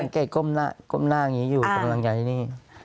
ไม่ได้สังเกตก้มหน้าอยู่ตรงหลังจากที่นี่